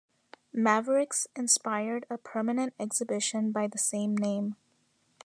"Mavericks" inspired a permanent exhibition by the same name.